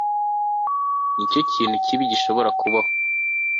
Nicyo kintu kibi gishobora kubaho